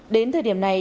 đến thời điểm này